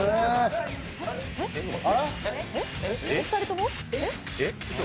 お二人とも？